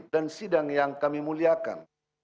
dan sidang yang kami muliakan